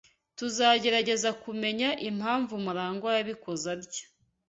Tuzagerageza kumenya impamvu Murangwa yabikoze atyo.